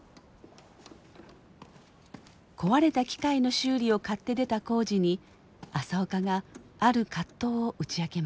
壊れた機械の修理を買って出た耕治に朝岡がある葛藤を打ち明けます。